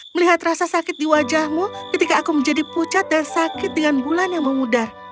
melihat rasa sakit di wajahmu ketika aku menjadi pucat dan sakit dengan bulan yang memudar